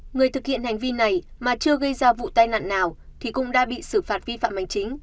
người thực hiện hành vi này mà chưa gây ra vụ tai nạn nào thì cũng đã bị xử phạt vi phạm hành chính